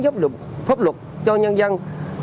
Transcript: giúp lực pháp luật cho nhân dân